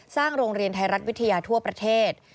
โรงเรียนไทยรัฐวิทยาทั่วประเทศ